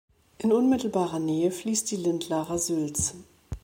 In unmittelbarer Nähe fließt die Lindlarer Sülz.